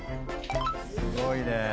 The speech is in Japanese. すごいね。